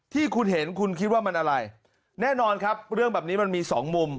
ที่คุณเห็นคุณคิดว่ามันอะไรแน่นอนครับเรื่องแบบนี้มันมีสองมุม